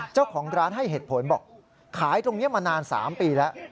เจ้าของร้านให้เหตุผลบอกขายตรงนี้มานาน๓ปีแล้ว